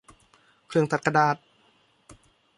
เครื่องตัดกระดาษ